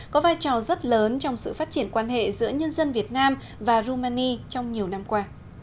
có vai trò rất lớn trong sự phát triển quan hệ giữa nhân dân việt nam và rumani trong nhiều năm qua